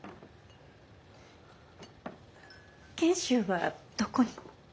賢秀はどこに？